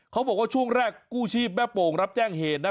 เขาบอกว่าช่วงแรกกู้ชีพแม่โป่งรับแจ้งเหตุนะ